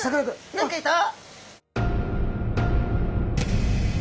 何かいた！？